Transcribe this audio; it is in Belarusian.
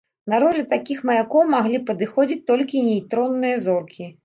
На ролю такіх маякоў маглі падыходзіць толькі нейтронныя зоркі.